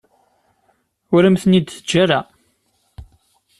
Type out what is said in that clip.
Ur am-ten-id-teǧǧa ara.